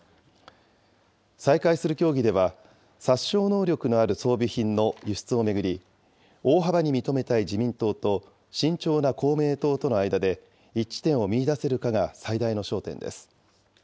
再開する協議では、殺傷能力のある装備品の輸出を巡り、大幅に認めたい自民党と、慎重な公明党との間で、一致点を見いだせるかが最大の焦点です。